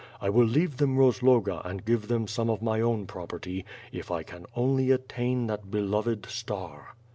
I will leave them Rozloga and give them some of my own property, if I can only attain that beloved star.